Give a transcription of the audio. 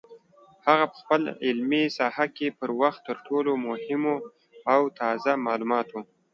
هغه په خپله علمي ساحه کې پر وخت تر ټولو مهمو او تازه معلوماتو